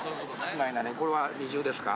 これは二重ですか？